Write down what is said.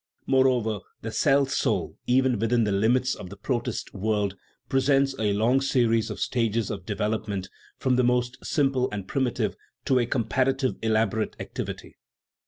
Moreover, the cell soul, even within the limits of the protist world, presents a long series of stages of devel opment, from the most simple and primitive to a com paratively elaborate activity.